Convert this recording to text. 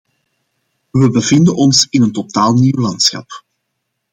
We bevinden ons in een totaal nieuw landschap.